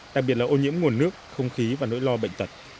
đặc biệt là ô nhiễm nguồn nước không khí và nỗi lo bệnh tật